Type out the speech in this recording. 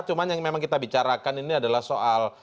cuma yang memang kita bicarakan ini adalah soal